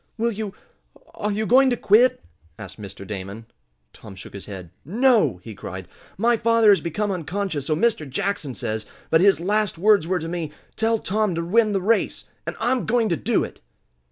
"Will you are you going to quit?" asked Mr. Damon. Tom shook his head. "No!" he cried. "My father has become unconscious, so Mr. Jackson says, but his last words were to me: 'Tell Tom to win the race!' And I'm going to do it!"